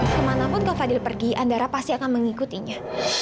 kemanapun kau fadil pergi andara pasti akan mengikutinya